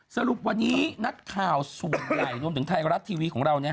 สรุปวันนี้นักข่าวส่วนใหญ่รวมถึงไทยรัฐทีวีของเรา